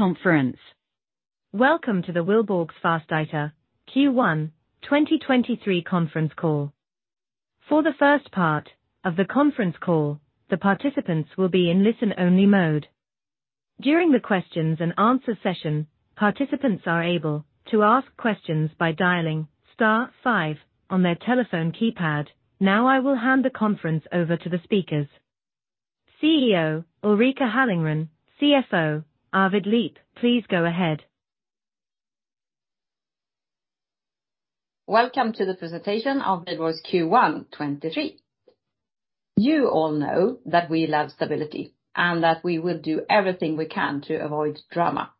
Conference. Welcome to the Wihlborgs Fastigheter Q1 2023 conference call. For the first part of the conference call, the participants will be in listen-only mode. During the questions and answer session, participants are able to ask questions by dialing star five on their telephone keypad. Now I will hand the conference over to the speakers. CEO Ulrika Hallengren, CFO Arvid Liepe, please go ahead. Welcome to the presentation of Wihlborgs Q1 2023. You all know that we love stability, that we will do everything we can to avoid drama.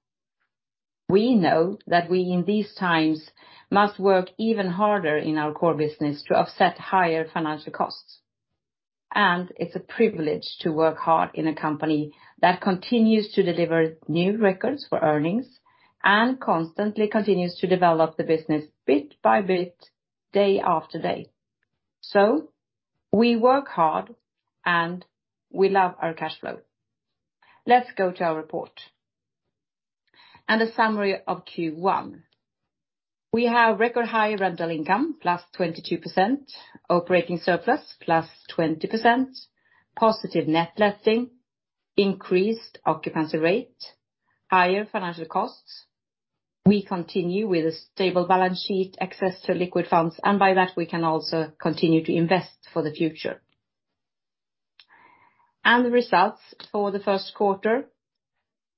We know that we, in these times, must work even harder in our core business to offset higher financial costs. It's a privilege to work hard in a company that continues to deliver new records for earnings and constantly continues to develop the business bit by bit, day after day. We work hard, we love our cash flow. Let's go to our report. A summary of Q1. We have record high rental income, plus 22%. Operating surplus, plus 20%. Positive net letting. Increased occupancy rate. Higher financial costs. We continue with a stable balance sheet, access to liquid funds, by that, we can also continue to invest for the future. The results for the Q1.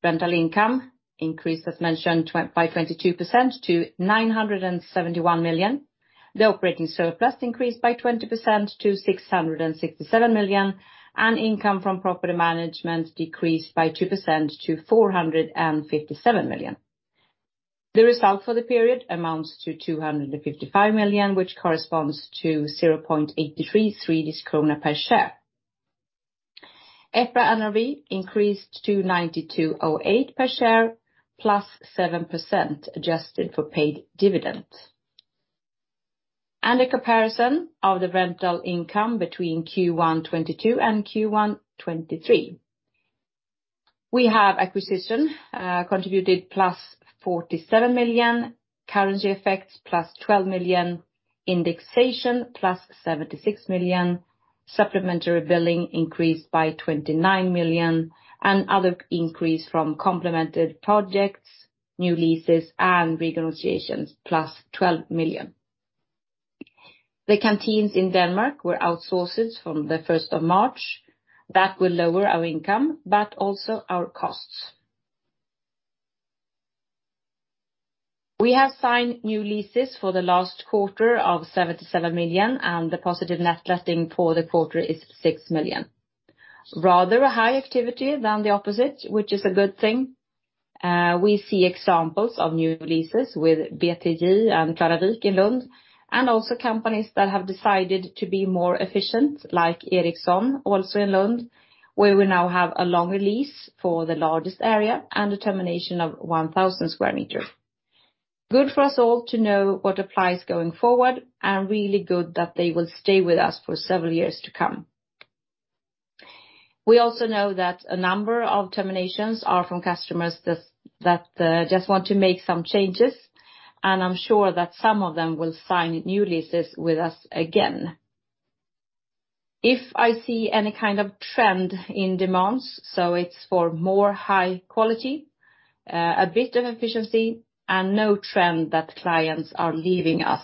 Rental income increased, as mentioned, by 22% to 971 million. The operating surplus increased by 20% to 667 million. Income from property management decreased by 2% to 457 million. The result for the period amounts to 255 million, which corresponds to 0.83 Swedish krona per share. EPRA NRV increased to 92.08 per share, +7% adjusted for paid dividend. A comparison of the rental income between Q1 2022 and Q1 2023. We have acquisition contributed +47 million. Currency effects, +12 million. Indexation, +76 million. Supplementary billing increased by 29 million. Other increase from complemented projects, new leases, and renegotiations, +12 million. The canteens in Denmark were outsourced from the 1st of March. That will lower our income, but also our costs. We have signed new leases for the last quarter of 77 million, and the positive net letting for the quarter is 6 million. Rather a high activity than the opposite, which is a good thing. We see examples of new leases with BTJ and Klaravik in Lund, and also companies that have decided to be more efficient, like Ericsson, also in Lund, where we now have a longer lease for the largest area and a termination of 1,000 square meters. Good for us all to know what applies going forward, and really good that they will stay with us for several years to come. We also know that a number of terminations are from customers just that want to make some changes, and I'm sure that some of them will sign new leases with us again. If I see any kind of trend in demands, so it's for more high quality, a bit of efficiency, and no trend that clients are leaving us.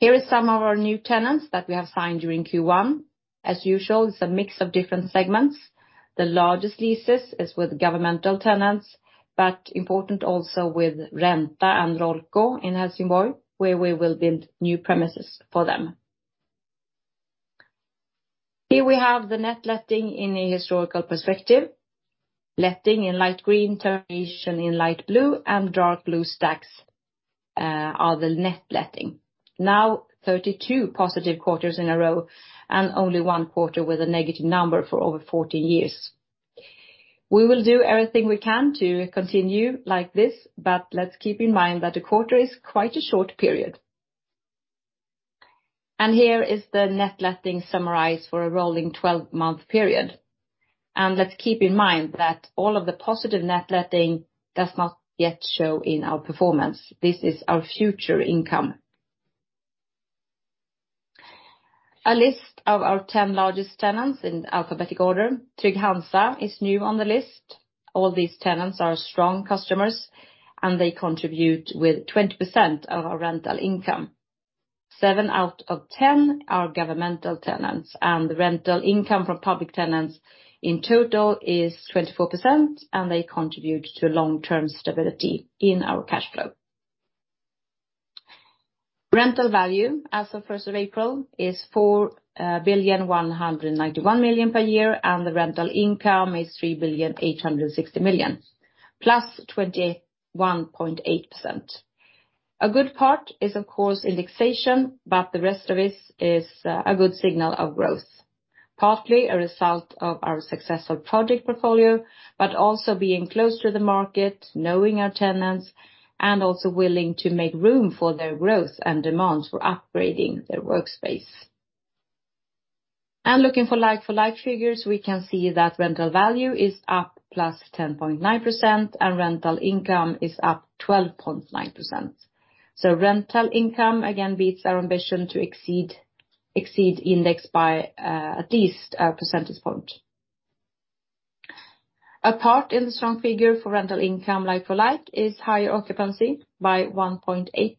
Here is some of our new tenants that we have signed during Q1. As usual, it's a mix of different segments. The largest leases is with governmental tenants, but important also with Renta and Rollco in Helsingborg, where we will build new premises for them. Here we have the net letting in a historical perspective. Letting in light green, termination in light blue, and dark blue stacks, are the net letting. Now 32 positive quarters in a row, and only one quarter with a negative number for over 40 years. We will do everything we can to continue like this, but let's keep in mind that a quarter is quite a short period. Here is the net letting summarized for a rolling 12-month period. Let's keep in mind that all of the positive net letting does not yet show in our performance. This is our future income. A list of our 10 largest tenants in alphabetical order. Trygg-Hansa is new on the list. All these tenants are strong customers, and they contribute with 20% of our rental income. seven out of 10 are governmental tenants, and the rental income from public tenants in total is 24%, and they contribute to long-term stability in our cash flow. Rental value as of first of April is 4 billion, 191 million per year, and the rental income is 3 billion, 860 million, 21.8%. A good part is of course indexation, but the rest of it is a good signal of growth. Partly a result of our successful project portfolio, but also being close to the market, knowing our tenants, and also willing to make room for their growth and demands for upgrading their workspace. Looking for like for like figures, we can see that rental value is up +10.9% and rental income is up 12.9%. Rental income again beats our ambition to exceed index by at least a percentage point. A part in the strong figure for rental income like for like is higher occupancy by 1.87%,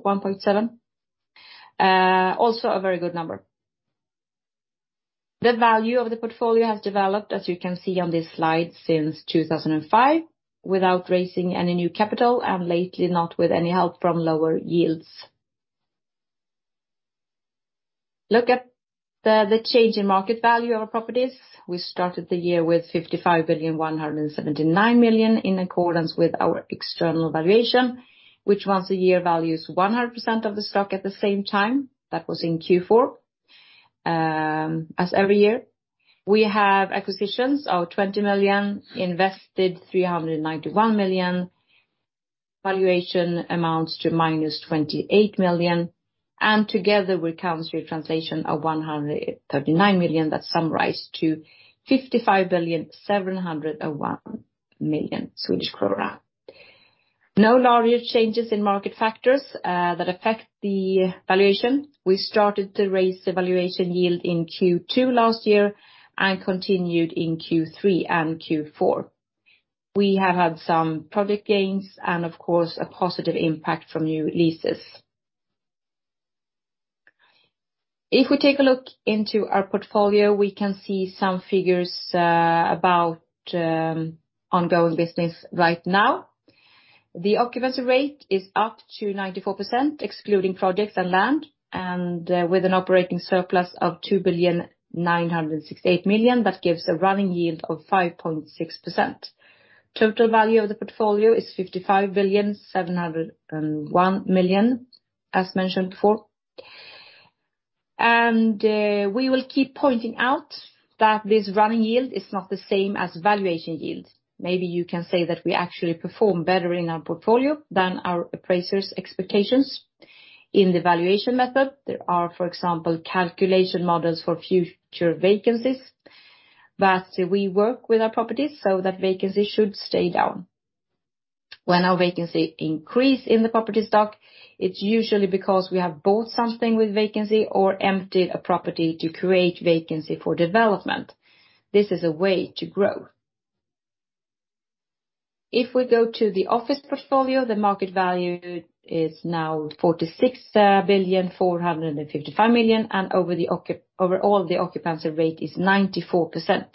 1.7%. Also a very good number. The value of the portfolio has developed, as you can see on this slide, since 2005, without raising any new capital and lately not with any help from lower yields. Look at the change in market value of our properties. We started the year with 55,179 million in accordance with our external valuation, which once a year values 100% of the stock at the same time. That was in Q4. As every year, we have acquisitions of 20 million, invested 391 million, valuation amounts to minus 28 million, and together we count through translation of 139 million that summarize to 55,701 million Swedish krona. No larger changes in market factors that affect the valuation. We started to raise the valuation yield in Q2 last year and continued in Q3 and Q4. We have had some project gains and of course, a positive impact from new leases. If we take a look into our portfolio, we can see some figures about ongoing business right now. The occupancy rate is up to 94%, excluding projects and land, and with an operating surplus of 2,968 million, that gives a running yield of 5.6%. Total value of the portfolio is 55,701 million, as mentioned before. We will keep pointing out that this running yield is not the same as valuation yield. Maybe you can say that we actually perform better in our portfolio than our appraisers expectations. In the valuation method, there are, for example, calculation models for future vacancies. We work with our properties so that vacancy should stay down. When our vacancy increase in the property stock, it's usually because we have bought something with vacancy or emptied a property to create vacancy for development. This is a way to grow. If we go to the office portfolio, the market value is now 46 billion 455 million, and overall, the occupancy rate is 94%.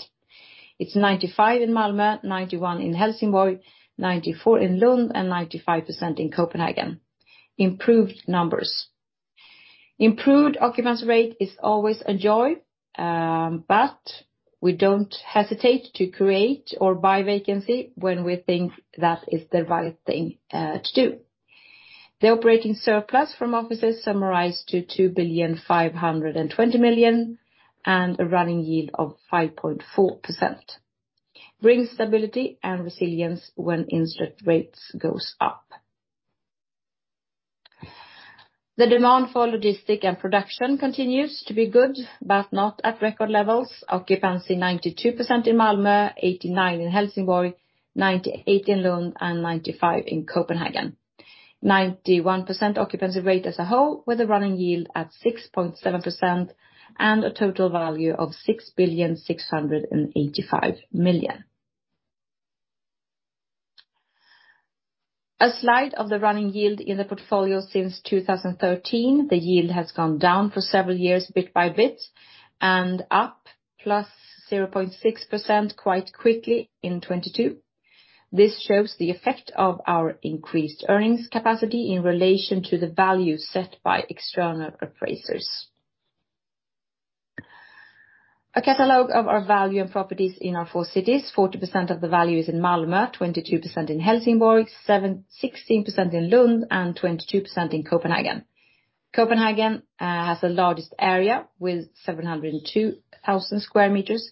It's 95% in Malmö, 91% in Helsingborg, 94% in Lund, and 95% in Copenhagen. Improved numbers. Improved occupancy rate is always a joy, we don't hesitate to create or buy vacancy when we think that is the right thing to do. The operating surplus from offices summarize to 2 billion 520 million and a running yield of 5.4%. Bring stability and resilience when interest rates go up. The demand for logistics and production continues to be good, but not at record levels. Occupancy 92% in Malmö, 89% in Helsingborg, 98% in Lund, and 95% in Copenhagen. 91% occupancy rate as a whole with a running yield at 6.7% and a total value of 6.685 billion. A slide of the running yield in the portfolio since 2013. The yield has gone down for several years, bit by bit, and up +0.6% quite quickly in 2022. This shows the effect of our increased earnings capacity in relation to the value set by external appraisers. A catalog of our value and properties in our four cities. 40% of the value is in Malmö, 22% in Helsingborg, 16% in Lund, and 22% in Copenhagen. Copenhagen has the largest area with 702,000 square meters,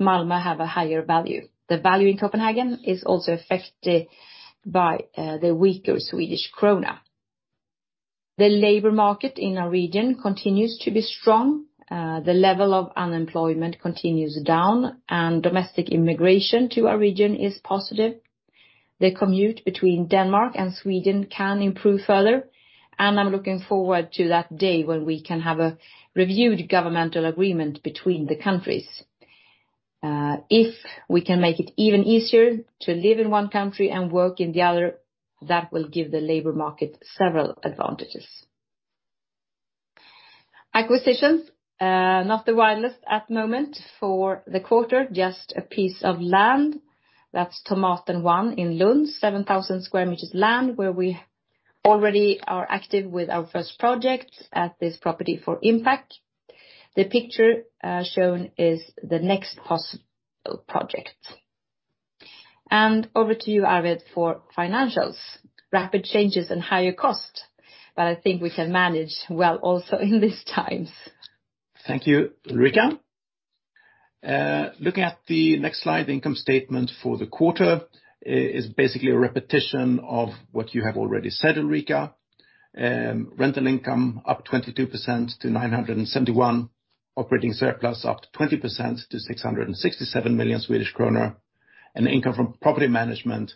Malmö have a higher value. The value in Copenhagen is also affected by the weaker Swedish krona. The labor market in our region continues to be strong. The level of unemployment continues down, domestic immigration to our region is positive. The commute between Denmark and Sweden can improve further, I'm looking forward to that day when we can have a reviewed governmental agreement between the countries. If we can make it even easier to live in one country and work in the other, that will give the labor market several advantages. Acquisitions, not the widest at the moment. For the quarter, just a piece of land. That's Tomaten 1 in Lund, 7,000 square meters land where we already are active with our first project at this property for impact. The picture shown is the next possible project. Over to you, Arvid, for financials. Rapid changes and higher cost, but I think we can manage well also in these times. Thank you, Ulrika. Looking at the next slide, income statement for the quarter is basically a repetition of what you have already said, Ulrika. Rental income up 22% to 971. Operating surplus up to 20% to 667 million Swedish kronor. Income from property management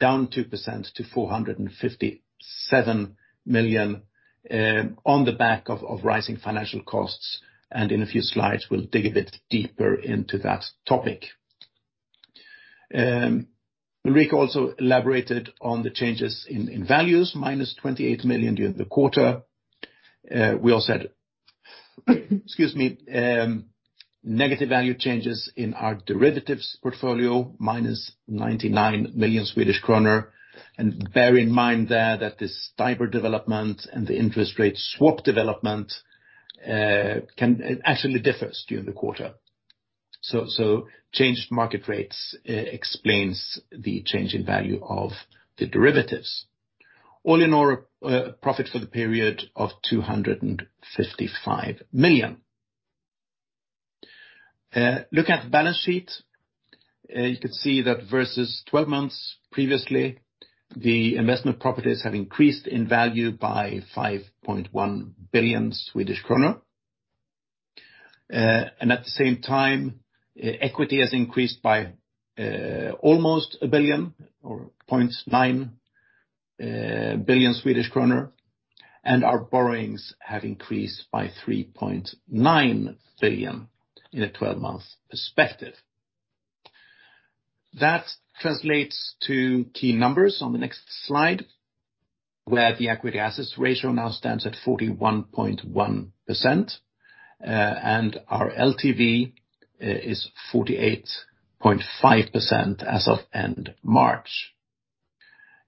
down 2% to 457 million on the back of rising financial costs. In a few slides, we'll dig a bit deeper into that topic. Ulrika also elaborated on the changes in values, -28 million during the quarter. We also had, excuse me, negative value changes in our derivatives portfolio, -99 million Swedish kronor. Bear in mind there that this STIBOR development and the interest rate swap development, it actually differs during the quarter. Changed market rates explains the change in value of the derivatives. All in all, profit for the period of 255 million. Look at balance sheet. You could see that versus 12 months previously, the investment properties have increased in value by 5.1 billion Swedish kronor. And at the same time, equity has increased by almost 1 billion or 0.9 billion Swedish kronor. Our borrowings have increased by 3.9 billion in a 12-month perspective. That translates to key numbers on the next slide, where the equity assets ratio now stands at 41.1%, and our LTV is 48.5% as of end March.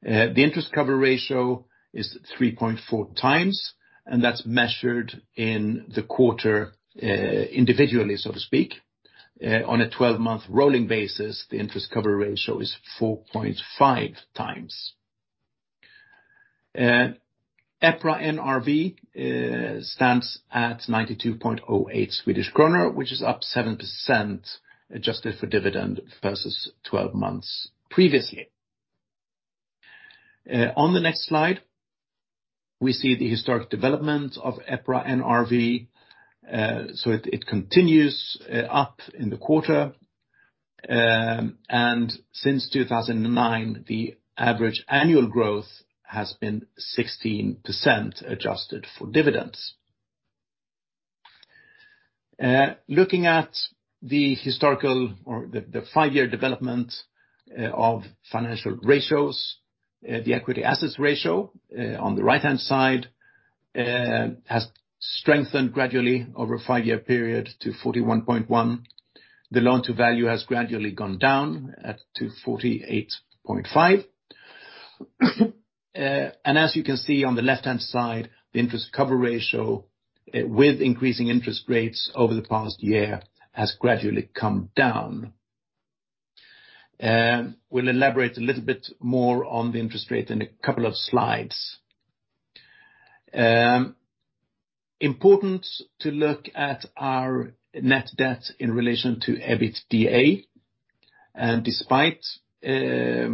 The interest cover ratio is 3.4x and that's measured in the quarter individually, so to speak. On a 12-month rolling basis, the interest cover ratio is 4.5x. EPRA NRV stands at 92.08 Swedish kronor, which is up 7% adjusted for dividend versus 12 months previously. On the next slide, we see the historic development of EPRA NRV. So it continues up in the quarter. And since 2009, the average annual growth has been 16% adjusted for dividends. Looking at the historical or the five-year development of financial ratios, the equity assets ratio on the right-hand side has strengthened gradually over a five-year period to 41.1. The LTV has gradually gone down to 48.5. As you can see on the left-hand side, the interest cover ratio with increasing interest rates over the past year has gradually come down. We'll elaborate a little bit more on the interest rate in a couple of slides. Important to look at our net debt in relation to EBITDA. Despite the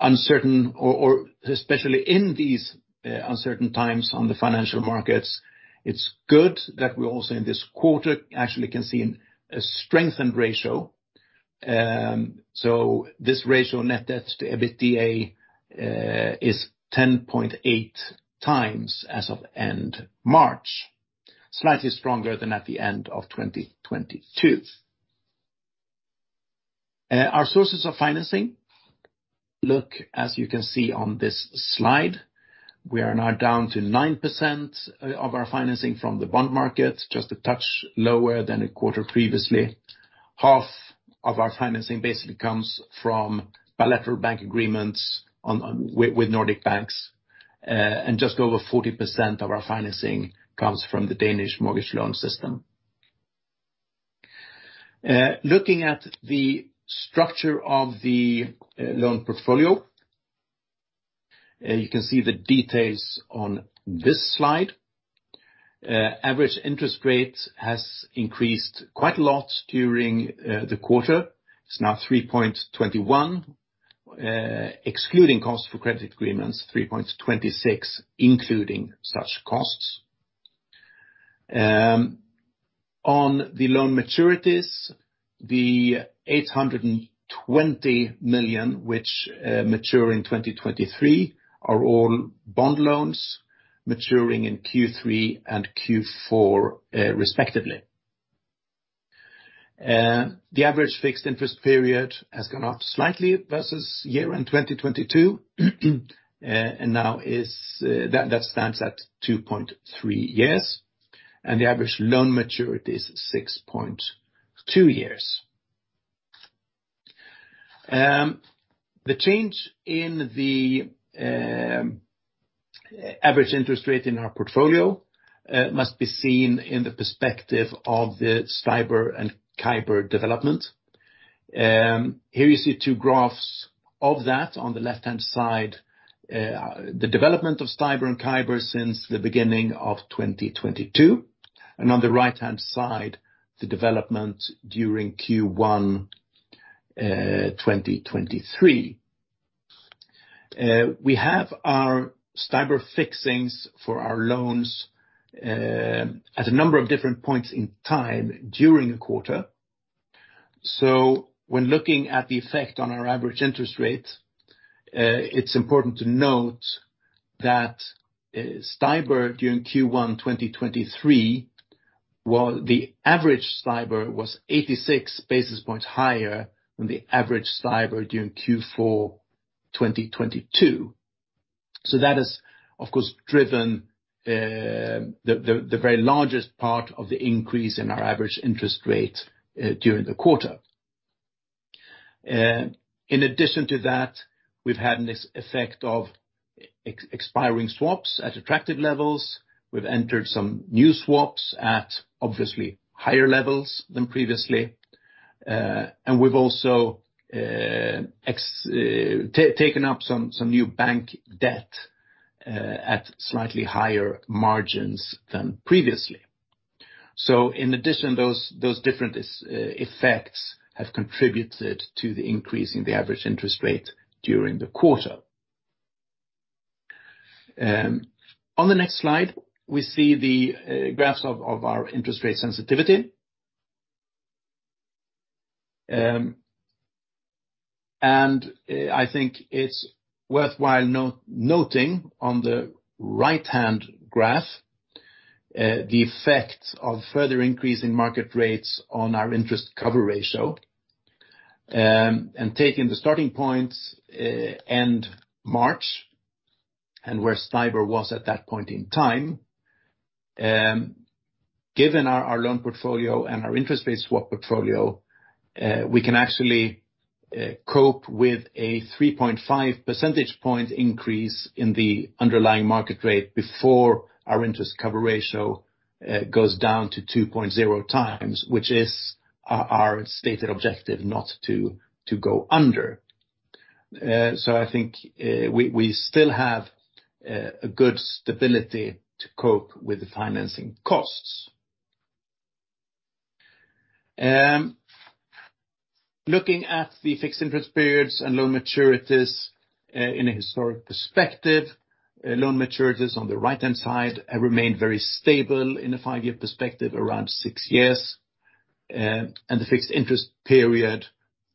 uncertain or especially in these uncertain times on the financial markets, it's good that we also in this quarter actually can see a strengthened ratio. This ratio net debt to EBITDA is 10.8 times as of end March. Slightly stronger than at the end of 2022. Our sources of financing look as you can see on this slide, we are now down to 9% of our financing from the bond market, just a touch lower than a quarter previously. Half of our financing basically comes from bilateral bank agreements with Nordic banks. Just over 40% of our financing comes from the Danish mortgage loan system. Looking at the structure of the loan portfolio, you can see the details on this slide. Average interest rate has increased quite a lot during the quarter. It's now 3.21%, excluding cost for credit agreements, 3.26%, including such costs. On the loan maturities, the 820 million, which mature in 2023, are all bond loans maturing in Q3 and Q4, respectively. The average fixed interest period has gone up slightly versus year-end 2022, and now stands at 2.3 years, and the average loan maturity is 6.2 years. The change in the average interest rate in our portfolio must be seen in the perspective of the STIBOR and CIBOR development. Here you see two graphs of that. On the left-hand side, the development of STIBOR and CIBOR since the beginning of 2022. On the right-hand side, the development during Q1 2023. We have our STIBOR fixings for our loans at a number of different points in time during a quarter. When looking at the effect on our average interest rate, it's important to note that STIBOR during Q1 2023, while the average STIBOR was 86 basis points higher than the average STIBOR during Q4 2022. That has, of course, driven the very largest part of the increase in our average interest rate during the quarter. In addition to that, we've had this effect of expiring swaps at attractive levels. We've entered some new swaps at obviously higher levels than previously. We've also taken up some new bank debt at slightly higher margins than previously. In addition, those different effects have contributed to the increase in the average interest rate during the quarter. On the next slide, we see the graphs of our interest rate sensitivity. I think it's worthwhile noting on the right-hand graph, the effect of further increase in market rates on our interest cover ratio. Taking the starting points, end March, and where STIBOR was at that point in time, given our loan portfolio and our interest rate swap portfolio, we can actually cope with a 3.5 percentage point increase in the underlying market rate before our interest cover ratio goes down to 2.0x, which is our stated objective not to go under. I think we still have a good stability to cope with the financing costs. Looking at the fixed interest periods and loan maturities, in a historic perspective, loan maturities on the right-hand side have remained very stable in a five-year perspective around 6 years. The fixed interest period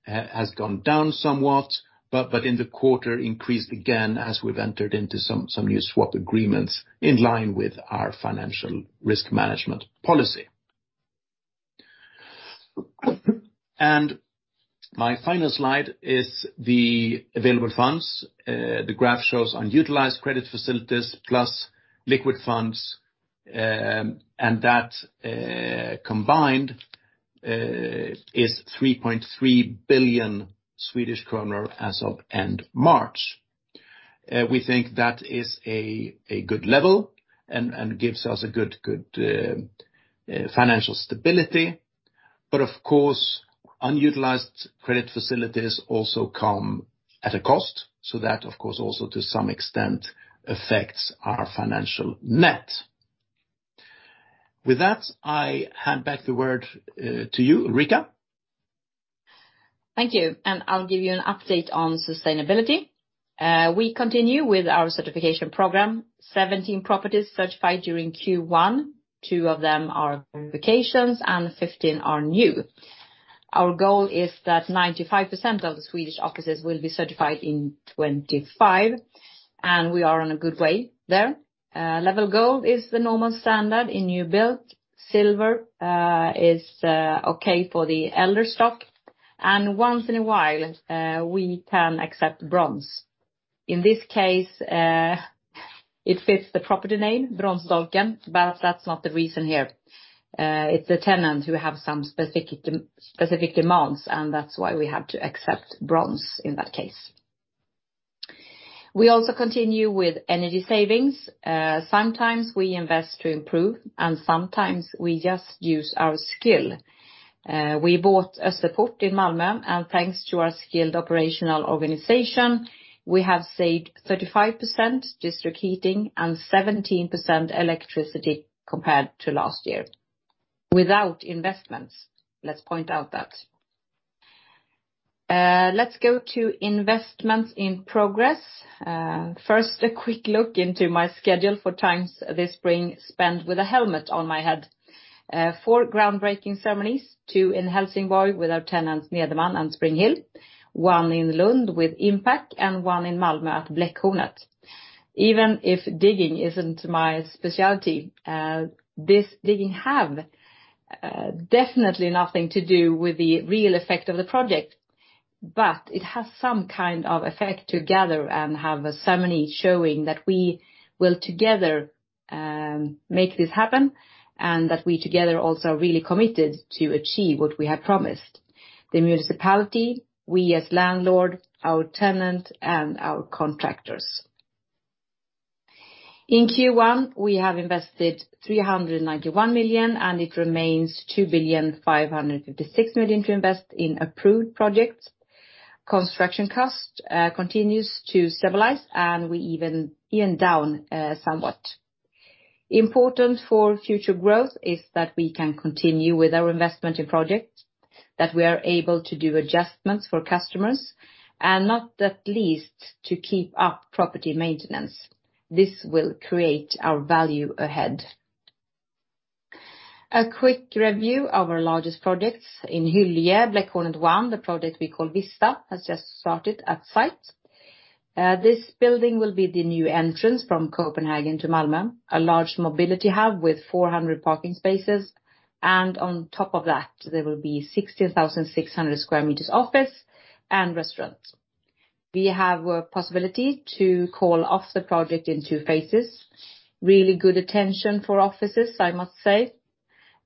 has gone down somewhat, but in the quarter increased again as we've entered into some new swap agreements in line with our financial risk management policy. My final slide is the available funds. The graph shows unutilized credit facilities plus liquid funds. That combined is 3.3 billion Swedish kronor as of end March. We think that is a good level and gives us good financial stability. Of course, unutilized credit facilities also come at a cost. That, of course, also to some extent affects our financial net. With that, I hand back the word to you, Ulrika. Thank you. I'll give you an update on sustainability. We continue with our certification program. 17 properties certified during Q1. Two of them are certifications, and 15 are new. Our goal is that 95% of the Swedish offices will be certified in 2025, and we are on a good way there. Level Gold is the normal standard in new build. Silver is okay for the elder stock. Once in a while, we can accept Bronze. In this case, it fits the property name, Bronsdolken, but that's not the reason here. It's the tenant who have some specific demands, and that's why we have to accept Bronze in that case. We also continue with energy savings. Sometimes we invest to improve, and sometimes we just use our skill. We bought Österport in Malmö, and thanks to our skilled operational organization, we have saved 35% district heating and 17% electricity compared to last year. Without investments, let's point out that. Let's go to investments in progress. First, a quick look into my schedule for times this spring spent with a helmet on my head. Four groundbreaking ceremonies, two in Helsingborg with our tenants Nederman and Springhill, one in Lund with Impact, and one in Malmö at Bläckhornet. Even if digging isn't my specialty, this digging have definitely nothing to do with the real effect of the project, but it has some kind of effect to gather and have a ceremony showing that we will together make this happen, and that we together also are really committed to achieve what we have promised. The municipality, we as landlord, our tenant, and our contractors. In Q1, we have invested 391 million. It remains 2,556 billion to invest in approved projects. Construction cost continues to stabilize. We even down somewhat. Important for future growth is that we can continue with our investment in projects, that we are able to do adjustments for customers, not at least to keep up property maintenance. This will create our value ahead. A quick review of our largest projects. In Hyllie, Bläckhornet 1, the project we call Vista, has just started at site. This building will be the new entrance from Copenhagen to Malmö, a large mobility hub with 400 parking spaces. On top of that, there will be 16,600 square meters office and restaurants. We have a possibility to call off the project in two phases. Really good attention for offices, I must say.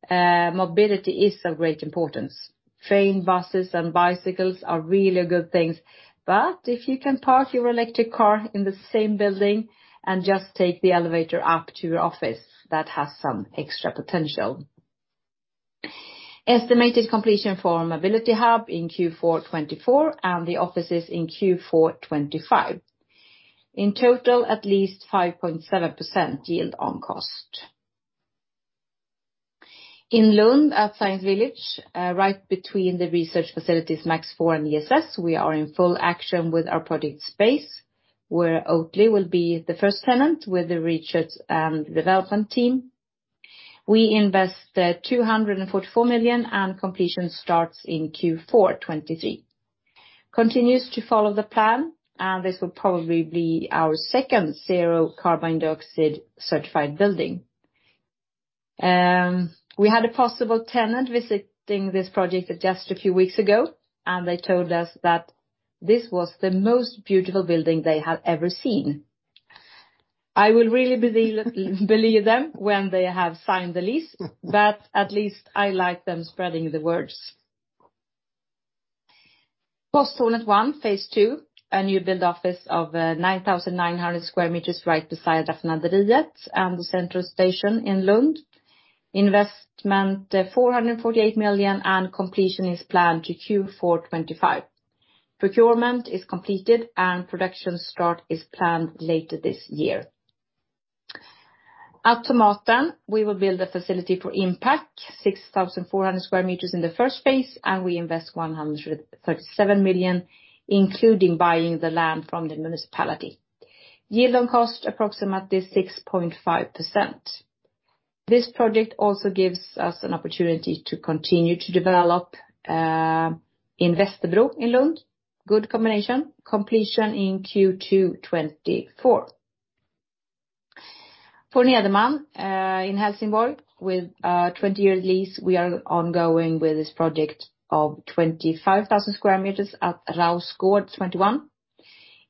Mobility is of great importance. Trains, buses, and bicycles are really good things. If you can park your electric car in the same building and just take the elevator up to your office, that has some extra potential. Estimated completion for mobility hub in Q4 2024, and the office is in Q4 2025. In total, at least 5.7% yield on cost. In Lund at Science Village, right between the research facilities MAX IV and ESS, we are in full action with our project Space, where Oatly will be the first tenant with a research and development team. We invest 244 million, and completion starts in Q4 2023. Continues to follow the plan, this will probably be our second zero carbon dioxide certified building. We had a possible tenant visiting this project just a few weeks ago, and they told us that this was the most beautiful building they have ever seen. I will really believe them when they have signed the lease, but at least I like them spreading the words. Posthornet One, phase two, a new build office of 9,900 square meters right beside Raffinaderiet and the central station in Lund. Investment, 448 million, and completion is planned to Q4 2025. Procurement is completed, production start is planned later this year. At Tomaten, we will build a facility for Impact, 6,400 square meters in the first phase, and we invest 137 million, including buying the land from the municipality. Yield on cost, approximately 6.5%. This project also gives us an opportunity to continue to develop in Västerbro in Lund. Good combination. Completion in Q2 2024. For Nederman in Helsingborg, with a 20-year lease, we are ongoing with this project of 25,000 sq m at Rausgård 21.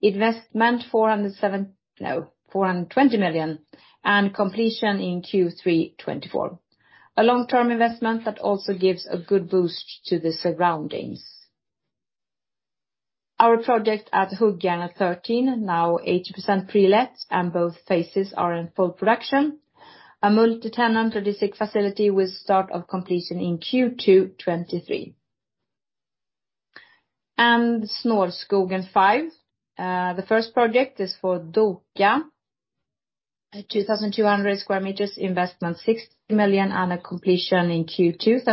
Investment, 420 million, and completion in Q3 2024. A long-term investment that also gives a good boost to the surroundings. Our project at Huggaren 13, now 80% pre-let, and both phases are in full production. A multi-tenant logistic facility with start of completion in Q2 2023. Snårskogen 5, the first project is for Doka, 2,200 sq m, investment 60 million, and a completion in Q2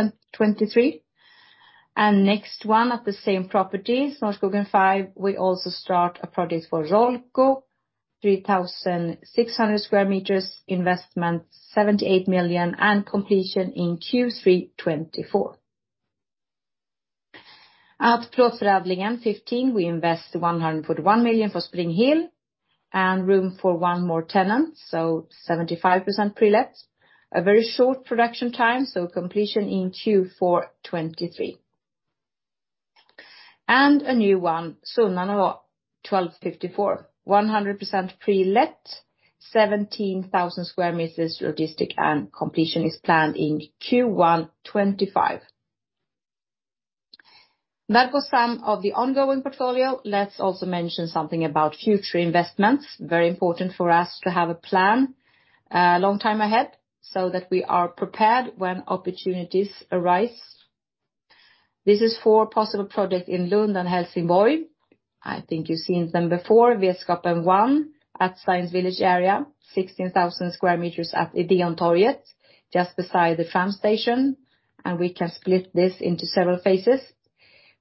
2023. Next one at the same property, Snårskogen 5, we also start a project for Rollco, 3,600 square meters, investment 78 million, completion in Q3 2024. At Klarbärsodlingen 15, we invest 141 million for Springhill and room for one more tenant, so 75% pre-let. A very short production time, so completion in Q4 2023. A new one, Sunnanå 12:54. 100% pre-let, 17,000 square meters logistic, and completion is planned in Q1 2025. That was some of the ongoing portfolio. Let's also mention something about future investments. Very important for us to have a plan a long time ahead so that we are prepared when opportunities arise. This is for possible project in Lund and Helsingborg. I think you've seen them before. Vetskapen 1 at Science Village area. 16,000 square meters at Ideontorget, just beside the tram station. We can split this into several phases.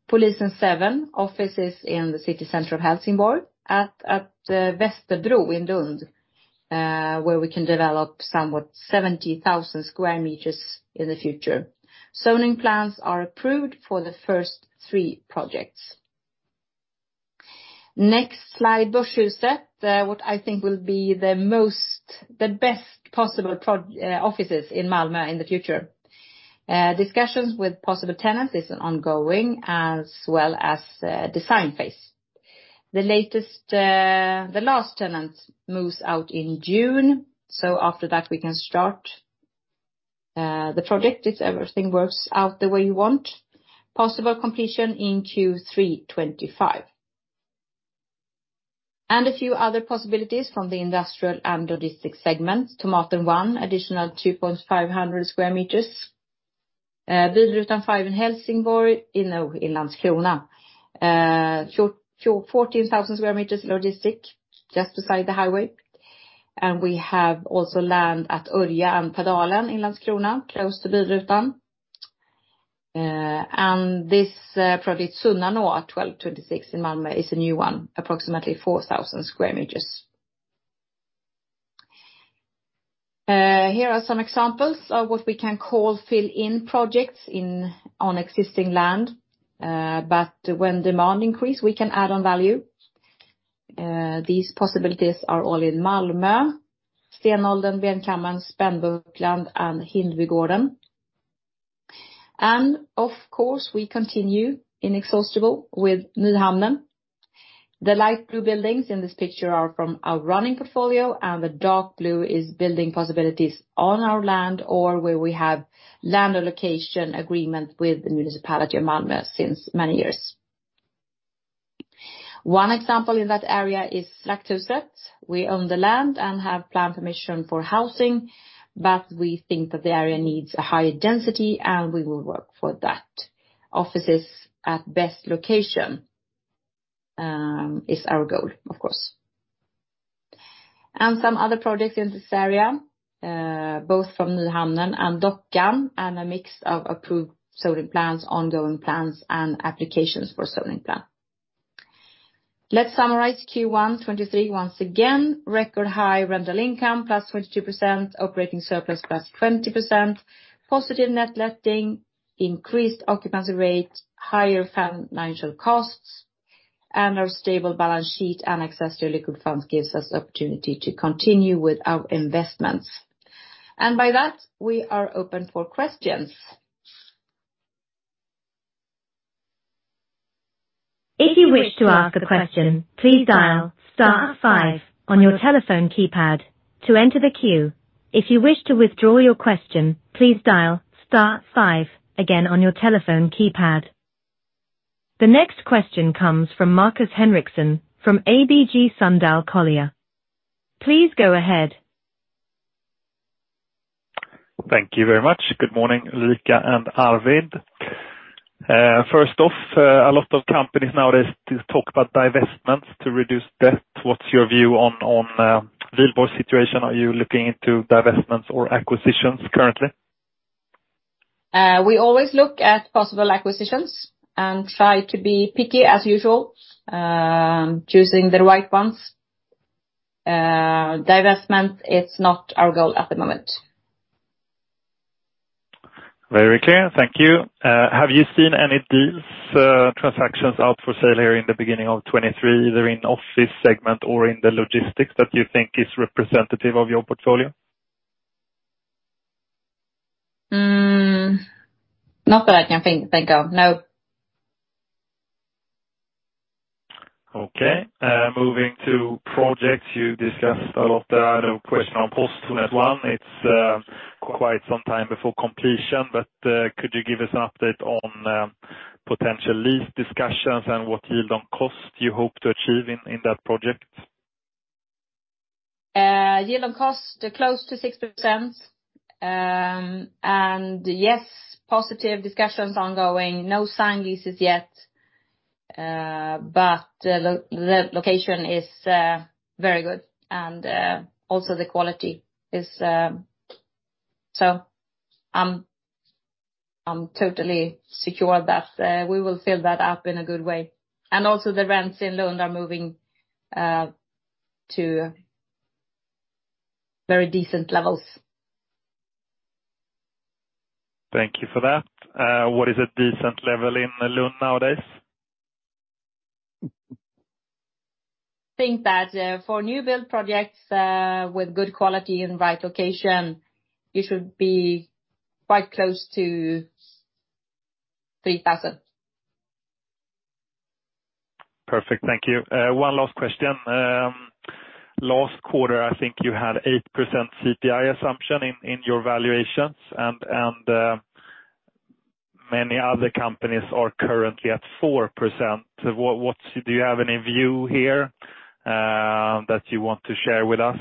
Polisen 7, offices in the city center of Helsingborg. At Västerbro in Lund, where we can develop somewhat 70,000 square meters in the future. Zoning plans are approved for the first three projects. Next slide, Börshuset, what I think will be the best possible offices in Malmö in the future. Discussions with possible tenants is ongoing as well as a design phase. The latest, the last tenant moves out in June, so after that we can start the project if everything works out the way you want. Possible completion in Q3 2025. A few other possibilities from the industrial and logistics segment. Tomaten one, additional 2.500 square meters. Bilrutan 5 in Helsingborg, in Landskrona. 14,000 square meters logistic just beside the highway. We have also land at Örja and Pådrivaren in Landskrona, close to Bilrutan. This project Sunnanå at 12:26 in Malmö is a new one, approximately 4,000 square meters. Here are some examples of what we can call fill-in projects on existing land. When demand increase, we can add on value. These possibilities are all in Malmö. Stenåldern, Benkammen, Spånbostrand, and Hindbygården. Of course, we continue inexhaustible with Nyhamnen. The light blue buildings in this picture are from our running portfolio, and the dark blue is building possibilities on our land or where we have land allocation agreement with the municipality of Malmö since many years. One example in that area is Slagthuset. We own the land and have planned permission for housing, but we think that the area needs a higher density, and we will work for that. Offices at best location is our goal, of course. Some other projects in this area, both from Nyhamnen and Dockan, and a mix of approved zoning plans, ongoing plans, and applications for zoning plan. Let's summarize Q1 2023. Once again, record high rental income, +22%, operating surplus, +20%, positive net letting, increased occupancy rate, higher financial costs, and our stable balance sheet and access to liquid funds gives us opportunity to continue with our investments. By that, we are open for questions. If you wish to ask a question, please dial star five on your telephone keypad to enter the queue. If you wish to withdraw your question, please dial star five again on your telephone keypad. The next question comes from Markus Henriksson, from ABG Sundal Collier. Please go ahead. Thank you very much. Good morning, Ulrika and Arvid. First off, a lot of companies nowadays do talk about divestments to reduce debt. What's your view on Wihlborgs' situation? Are you looking into divestments or acquisitions currently? We always look at possible acquisitions and try to be picky as usual, choosing the right ones. Divestment is not our goal at the moment. Very clear. Thank you. Have you seen any deals, transactions out for sale here in the beginning of 2023, either in office segment or in the logistics that you think is representative of your portfolio? Not that I can think of. No. Okay. moving to projects. You discussed a lot there. The question on Posthusen as one. It's quite some time before completion, but could you give us an update on potential lease discussions and what yield on cost you hope to achieve in that project? Yield on cost, close to 6%. Yes, positive discussions ongoing. No signed leases yet, but the location is very good. Also the quality is... I'm totally secure that we will fill that up in a good way. Also the rents in Lund are moving to very decent levels. Thank you for that. What is a decent level in Lund nowadays? Think that for new build projects with good quality and right location, you should be quite close to 3,000. Perfect. Thank you. One last question. Last quarter, I think you had 8% CPI assumption in your valuations. Many other companies are currently at 4%. Do you have any view here that you want to share with us?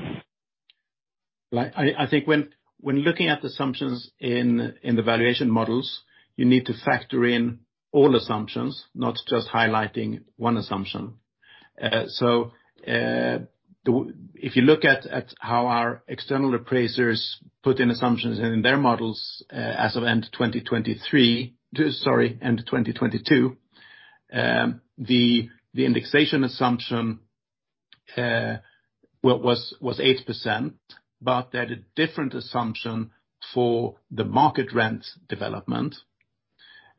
Like I think when looking at assumptions in the valuation models, you need to factor in all assumptions, not just highlighting one assumption. If you look at how our external appraisers put in assumptions in their models, as of end 2023, sorry, end 2022, the indexation assumption was 8%, but at a different assumption for the market rent development,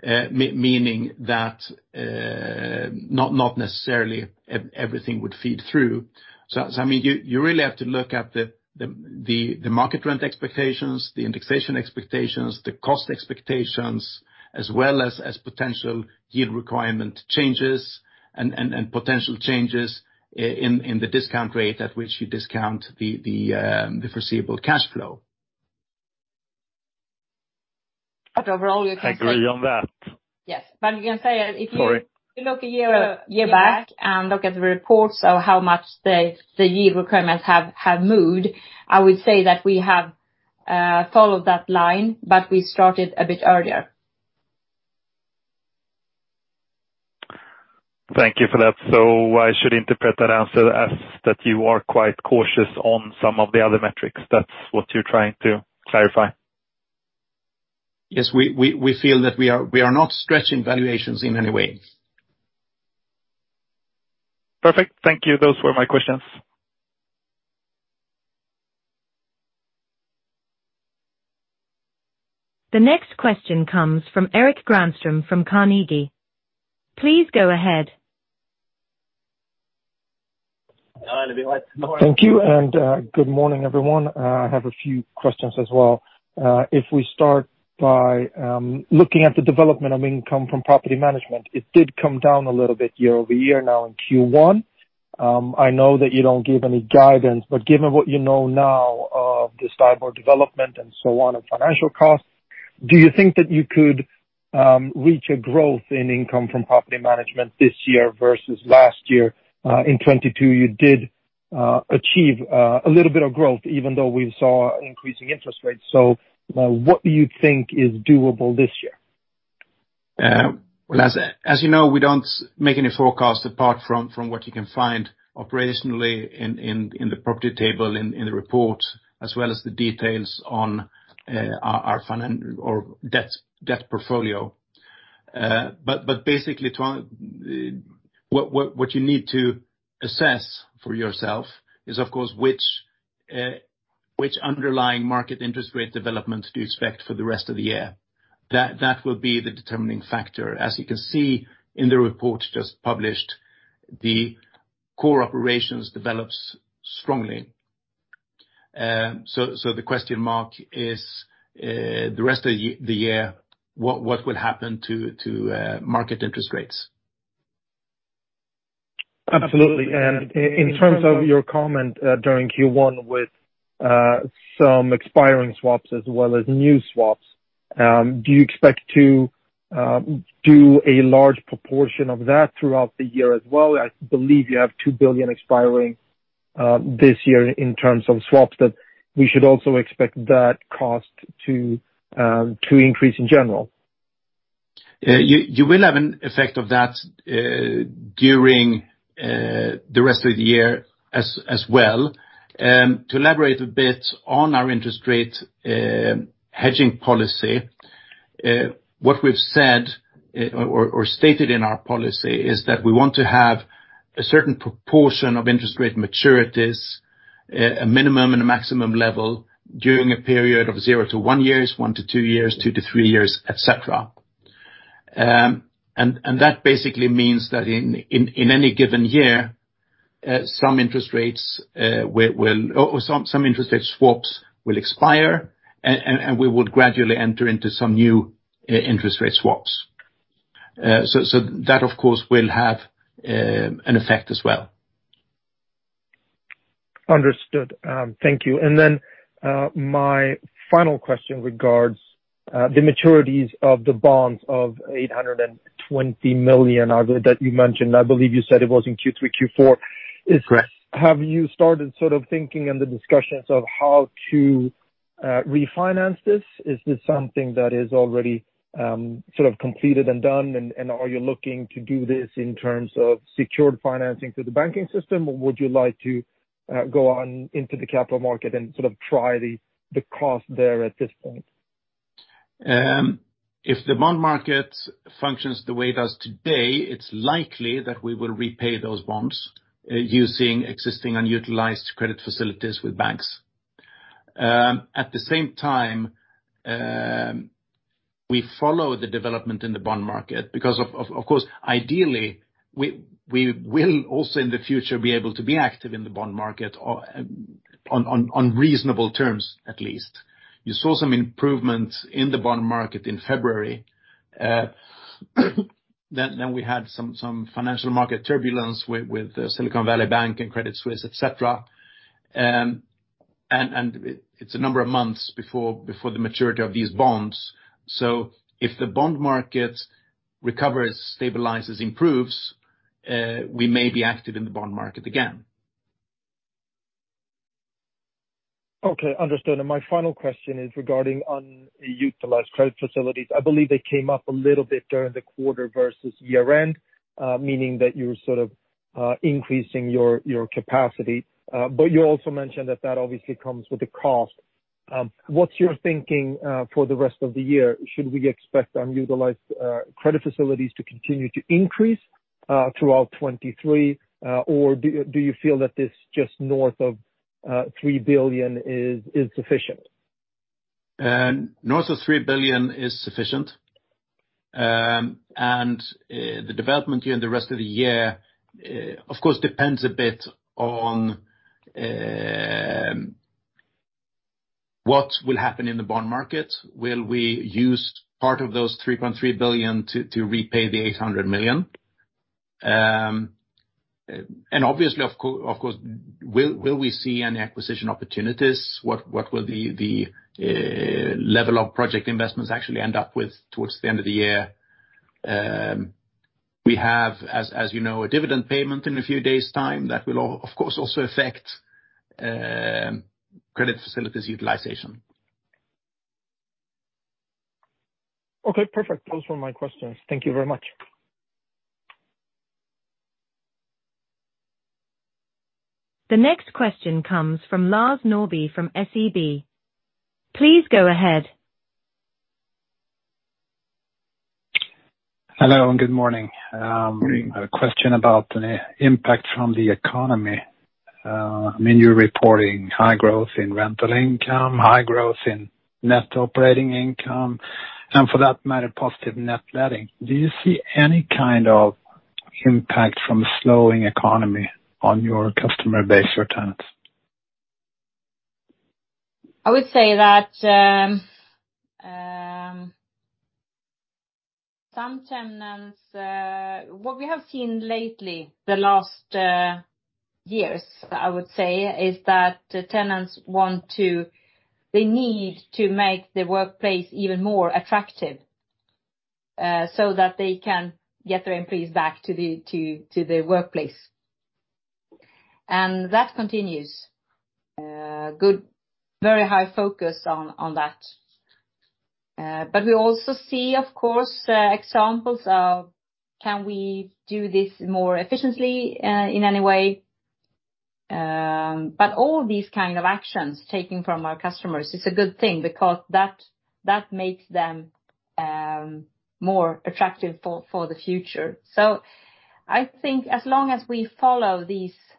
meaning that not necessarily everything would feed through. I mean, you really have to look at the market rent expectations, the indexation expectations, the cost expectations, as well as potential yield requirement changes and potential changes in the discount rate at which you discount the foreseeable cash flow. Overall you can say. I agree on that. Yes. You can say, if you- Sorry. If you look a year back and look at the reports of how much the yield requirements have moved, I would say that we have followed that line. We started a bit earlier. Thank you for that. I should interpret that answer as that you are quite cautious on some of the other metrics. That's what you're trying to clarify. We feel that we are not stretching valuations in any way. Perfect. Thank you. Those were my questions. The next question comes from Erik Granström from Carnegie. Please go ahead. Thank you. Good morning, everyone. I have a few questions as well. If we start by looking at the development of income from property management, it did come down a little bit year-over-year now in Q1. I know that you don't give any guidance, but given what you know now of this type of development and so on and financial costs, do you think that you could reach a growth in income from property management this year versus last year? In 2022 you did achieve a little bit of growth even though we saw increasing interest rates. What do you think is doable this year? Well, as you know, we don't make any forecast apart from what you can find operationally in the property table, in the report, as well as the details on our debt portfolio. Basically what you need to assess for yourself is of course which underlying market interest rate developments do you expect for the rest of the year. That will be the determining factor. As you can see in the report just published, the core operations develops strongly. The question mark is the rest of the year, what will happen to market interest rates. Absolutely. In terms of your comment, during Q1 with some expiring swaps as well as new swaps, do you expect to do a large proportion of that throughout the year as well? I believe you have 2 billion expiring this year in terms of swaps, that we should also expect that cost to increase in general. You will have an effect of that during the rest of the year as well. To elaborate a bit on our interest rate hedging policy, what we've said or stated in our policy is that we want to have a certain proportion of interest rate maturities, a minimum and a maximum level during a period of zero to one years, one to two years, two to three years, et cetera. That basically means that in any given year, some interest rates will... Or some interest rate swaps will expire, and we would gradually enter into some new interest rate swaps. That of course will have an effect as well. Understood. thank you. My final question regards, the maturities of the bonds of 820 million are the, that you mentioned. I believe you said it was in Q3, Q4? Correct. Have you started sort of thinking in the discussions of how to refinance this? Is this something that is already sort of completed and done, and are you looking to do this in terms of secured financing through the banking system? Or would you like to go on into the capital market and sort of try the cost there at this point? If the bond market functions the way it does today, it's likely that we will repay those bonds, using existing unutilized credit facilities with banks. At the same time, we follow the development in the bond market because of course, ideally, we will also in the future be able to be active in the bond market on reasonable terms, at least. You saw some improvements in the bond market in February. Then we had some financial market turbulence with Silicon Valley Bank and Credit Suisse, et cetera. And it's a number of months before the maturity of these bonds. If the bond market recovers, stabilizes, improves, we may be active in the bond market again. Okay, understood. My final question is regarding unutilized credit facilities. I believe they came up a little bit during the quarter versus year-end, meaning that you're sort of increasing your capacity. You also mentioned that that obviously comes with a cost. What's your thinking for the rest of the year? Should we expect unutilized credit facilities to continue to increase throughout 2023? Do you feel that this just north of 3 billion is sufficient? North of 3 billion is sufficient. The development during the rest of the year, of course, depends a bit on what will happen in the bond market. Will we use part of those 3.3 billion to repay the 800 million? Obviously, of course, will we see any acquisition opportunities? What will the level of project investments actually end up with towards the end of the year? We have, as you know, a dividend payment in a few days time that will of course also affect credit facilities utilization. Okay, perfect. Those were my questions. Thank you very much. The next question comes from Lars Norrby from SEB. Please go ahead. Hello, and good morning. Good morning. I have a question about the impact from the economy. I mean, you're reporting high growth in rental income, high growth in net operating income, and for that matter, positive net letting. Do you see any kind of impact from the slowing economy on your customer base or tenants? I would say that, what we have seen lately, the last years, I would say, is that the tenants they need to make the workplace even more attractive, so that they can get their employees back to the workplace. That continues. Good, very high focus on that. We also see, of course, examples of can we do this more efficiently, in any way. All these kind of actions taken from our customers is a good thing because that makes them more attractive for the future. I think as long as we follow these needs,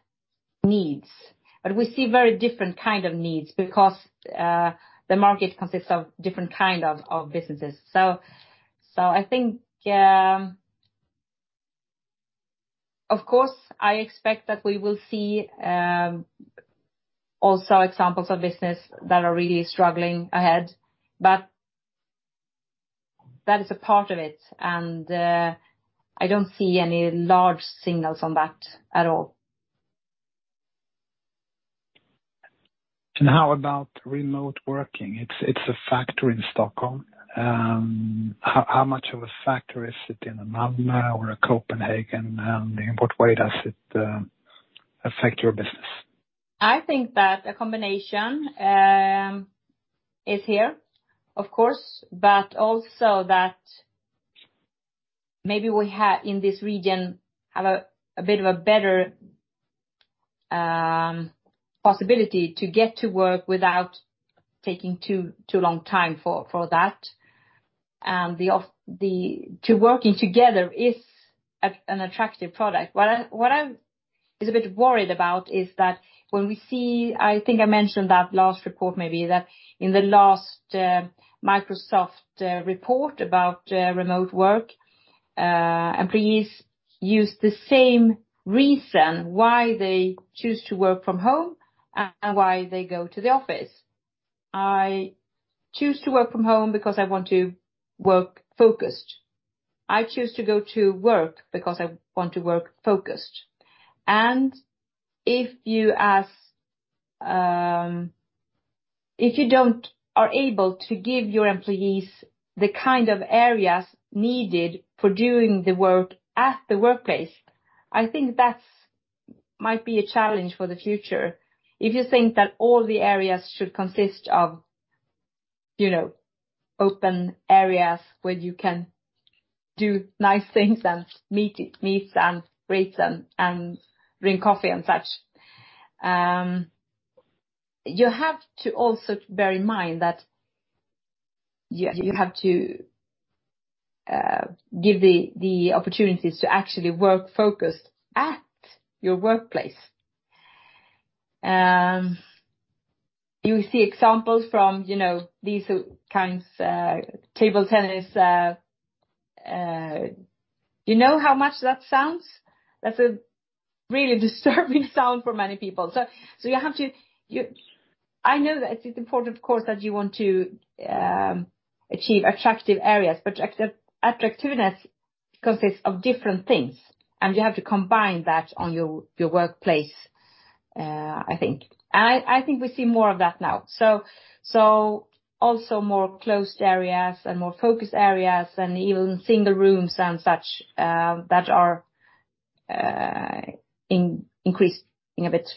but we see very different kind of needs because the market consists of different kind of businesses. I think, of course, I expect that we will see, also examples of business that are really struggling ahead. That is a part of it, and, I don't see any large signals on that at all. How about remote working? It's a factor in Stockholm. How much of a factor is it in Malmö or Copenhagen? In what way does it affect your business? I think that a combination is here, of course, but also that maybe we have in this region, have a bit of a better possibility to get to work without taking too long time for that. The to working together is an attractive product. What I is a bit worried about is that when we see... I think I mentioned that last report maybe that in the last Microsoft report about remote work, employees use the same reason why they choose to work from home and why they go to the office. I choose to work from home because I want to work focused. I choose to go to work because I want to work focused. If you ask, if you are able to give your employees the kind of areas needed for doing the work at the workplace, I think that's might be a challenge for the future. If you think that all the areas should consist of, you know, open areas where you can do nice things and meet and greet and drink coffee and such. You have to also bear in mind that you have to give the opportunities to actually work focused at your workplace. You see examples from, you know, these kinds, table tennis. You know how much that sounds? That's a really disturbing sound for many people. You have to... I know that it is important, of course, that you want to achieve attractive areas, but attractiveness consists of different things, and you have to combine that on your workplace, I think. I think we see more of that now. Also more closed areas and more focused areas and even single rooms and such that are increased in a bit.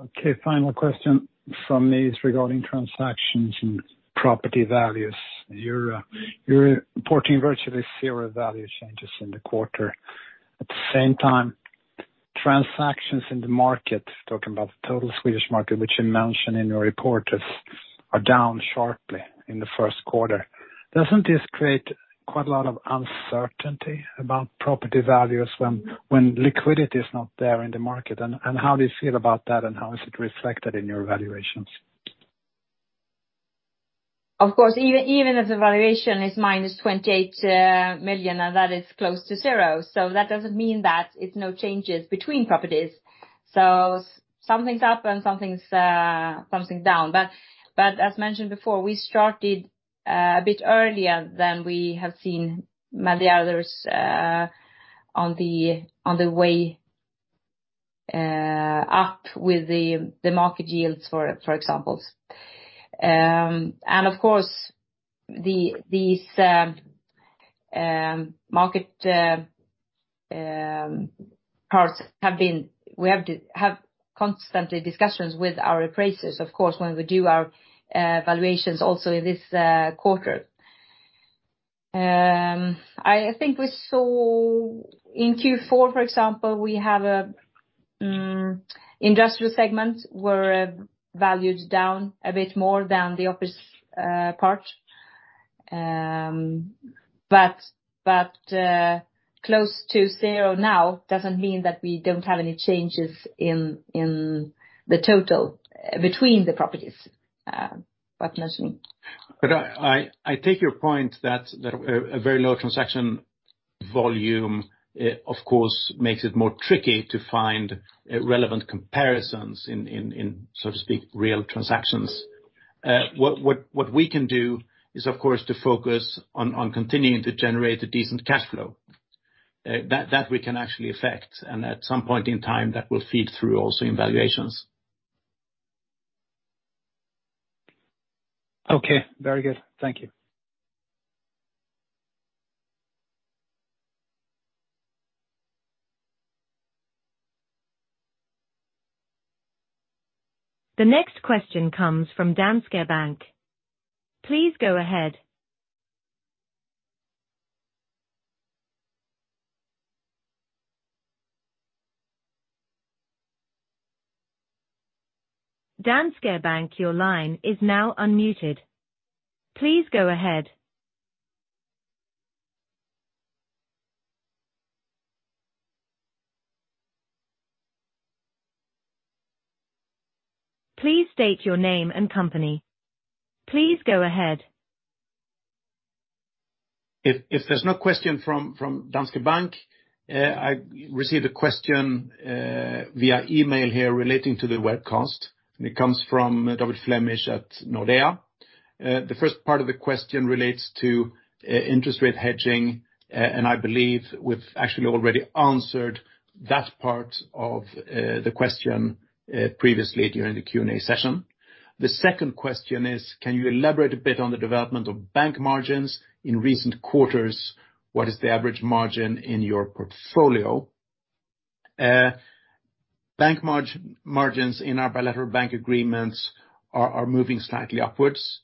Okay. Final question from me is regarding transactions and property values. You're reporting virtually zero value changes in the quarter. At the same time, transactions in the market, talking about the total Swedish market, which you mentioned in your report, are down sharply in the Q1. Doesn't this create quite a lot of uncertainty about property values when liquidity is not there in the market? How do you feel about that, and how is it reflected in your valuations? Even if the valuation is minus 28 million, and that is close to zero, so that doesn't mean that it's no changes between properties. Something's up and something's down. As mentioned before, we started a bit earlier than we have seen many others on the way up with the market yields, for examples. Of course, these market parts have been. We have to have constantly discussions with our appraisers, of course, when we do our valuations also in this quarter. I think we saw in Q4, for example, we have industrial segments were valued down a bit more than the office part. Close to zero now doesn't mean that we don't have any changes in the total between the properties, but mentioning. I take your point that a very low transaction volume, of course, makes it more tricky to find relevant comparisons in, so to speak, real transactions. What we can do is, of course, to focus on continuing to generate a decent cash flow. That we can actually affect, and at some point in time, that will feed through also in valuations. Okay, very good. Thank you. The next question comes from Danske Bank. Please go ahead. Danske Bank, your line is now unmuted. Please go ahead. Please state your name and company. Please go ahead. If there's no question from Danske Bank, I received a question via email here relating to the webcast. It comes from David Flemmich at Nordea. The first part of the question relates to interest rate hedging, and I believe we've actually already answered that part of the question previously during the Q&A session. The second question is, can you elaborate a bit on the development of bank margins in recent quarters? What is the average margin in your portfolio? Bank margins in our bilateral bank agreements are moving slightly upwards.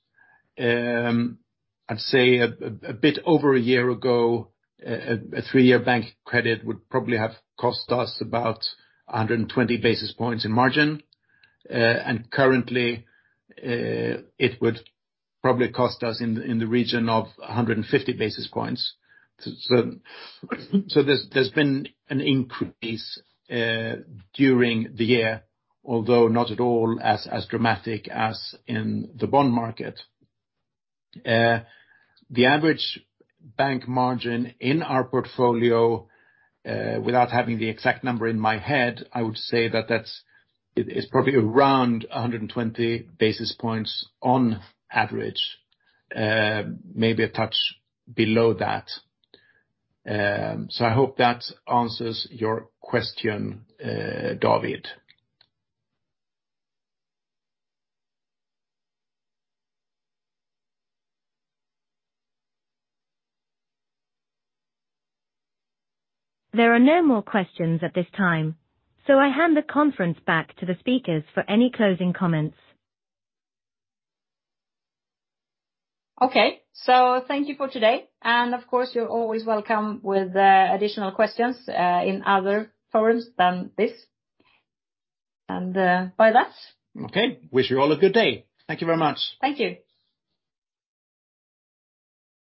I'd say a bit over a year ago, a three-year bank credit would probably have cost us about 120 basis points in margin. Currently, it would probably cost us in the region of 150 basis points. There's been an increase during the year, although not at all as dramatic as in the bond market. The average bank margin in our portfolio, without having the exact number in my head, I would say that it is probably around 120 basis points on average, maybe a touch below that. I hope that answers your question, David. There are no more questions at this time. I hand the conference back to the speakers for any closing comments. Okay. Thank you for today. Of course, you're always welcome with additional questions in other forums than this. Bye that. Okay. Wish you all a good day. Thank you very much. Thank you.